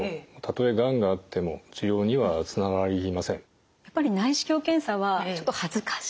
ただやっぱり内視鏡検査はちょっと恥ずかしいとか。